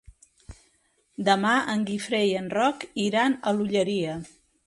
Demà en Guifré i en Roc iran a l'Olleria.